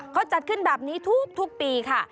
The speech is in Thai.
เขาจัดขึ้นแบบนี้ทุกปีค่ะ